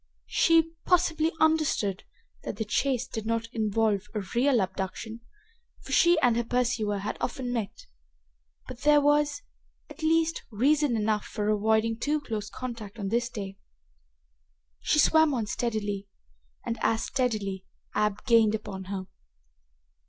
She, possibly, understood that the chase did not involve a real abduction, for she and her pursuer had often met, but there was, at least, reason enough for avoiding too close contact on this day. She swam on steadily, and, as steadily, Ab gained upon her.